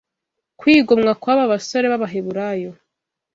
kwigomwa kw’aba basore b’Abaheburayo